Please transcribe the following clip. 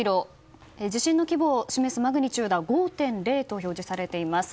地震の規模を示すマグニチュードは５．０と表示されています。